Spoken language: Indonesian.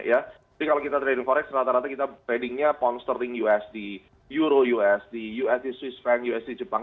tapi kalau kita trading forex rata rata kita tradingnya pound sterling us di euro us di us swiss franc us di jepang